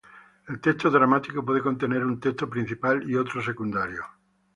El texto dramático puede contener un texto principal y otro secundario.